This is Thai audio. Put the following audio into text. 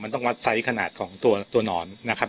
มันต้องวัดไซส์ขนาดของตัวหนอนนะครับ